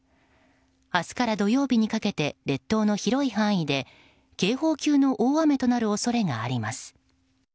明日から土曜日にかけて列島の広い範囲で警報級の大雨となる恐れがあります。